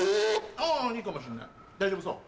あぁいいかもしんない大丈夫そう？